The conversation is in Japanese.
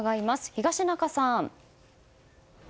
東中さん。